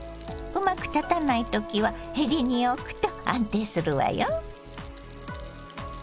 うまく立たない時はへりに置くと安定するわよ。